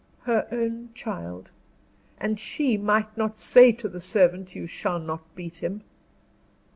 Her own child! And she might not say to the servant, you shall not beat him.